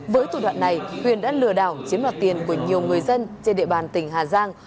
với thủ đoạn này huyền đã lừa đảo chiếm đoạt tiền của nhiều người dân trên địa bàn tỉnh hà giang